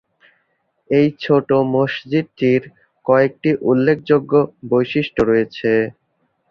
এই ছোট মসজিদটির কয়েকটি উল্লেখযোগ্য বৈশিষ্ট্য রয়েছে।